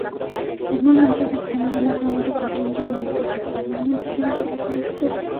Normalmente dispone de un asador o parrilla, mesas, y ocasionalmente sillas para tales efectos.